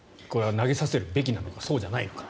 投げさせるべきなのかそうじゃないのか。